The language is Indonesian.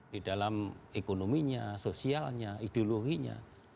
di dalam ekonominya sosialnya ideologinya